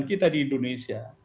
kita di indonesia